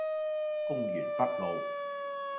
公園北路